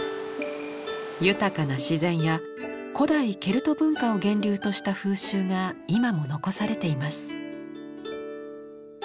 豊かな自然や古代ケルト文化を源流とした風習が今も残されています。